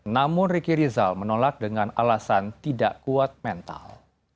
namun riki rizal menolak dengan alasan tidak kuat mental